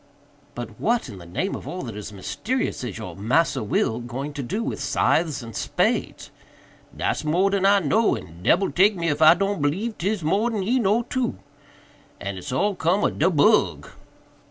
"But what, in the name of all that is mysterious, is your 'Massa Will' going to do with scythes and spades?" "Dat's more dan I know, and debbil take me if I don't b'lieve 'tis more dan he know, too. But it's all cum ob do bug."